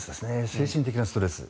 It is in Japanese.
精神的なストレス。